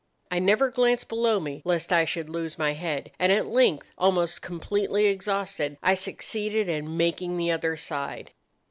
I never glanced below me, lest I should lose my head; and at length, almost completely exhausted, I succeeded in making the other side.